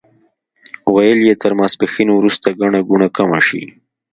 ویل یې تر ماسپښین وروسته ګڼه ګوڼه کمه شي.